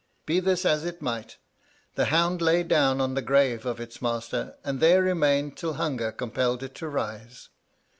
Be this as it might, the hound lay down on the grave of its master, and there remained till hunger compelled it to rise.